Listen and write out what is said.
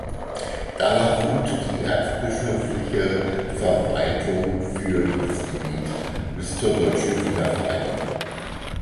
Danach ruhte die erzbischöfliche Verwaltung für dieses Gebiet bis zur deutschen Wiedervereinigung.